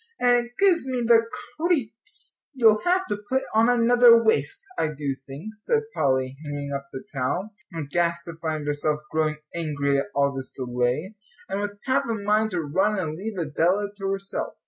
and it gives me the creeps." "You'll have to put on another waist, I do think," said Polly, hanging up the towel, aghast to find herself growing angry at all this delay, and with half a mind to run and leave Adela to herself.